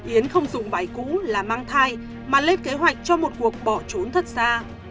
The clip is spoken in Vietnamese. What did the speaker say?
yến không dùng bảy cũ làm mang thai mà lết kế hoạch cho một cuộc bỏ trốn thật xa